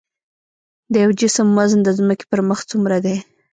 د یو جسم وزن د ځمکې پر مخ څومره دی؟